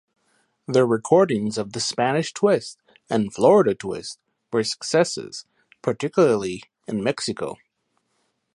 Their recordings of "The Spanish Twist" and "Florida Twist" were successes, particularly in Mexico.